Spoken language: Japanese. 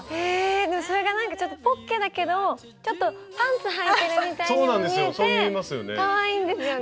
それがなんかちょっとポッケだけどちょっとパンツはいてるみたいにも見えてかわいいんですよね。